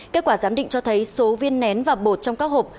kết quả giám định cho thấy số viên nén và bột trong các hộp